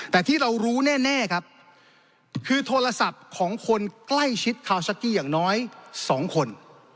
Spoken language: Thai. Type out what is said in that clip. แต่ที่เรารู้แน่ครับคือโทรศัพท์ของคนใกล้ชิดคาวซักกี้อย่างน้อย๒คน